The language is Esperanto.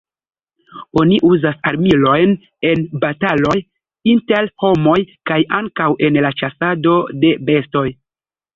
Oni uzas armilojn en bataloj inter homoj, kaj ankaŭ en la ĉasado de bestoj.